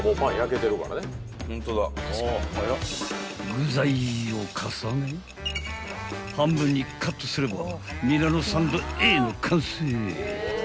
［具材を重ね半分にカットすればミラノサンドＡの完成］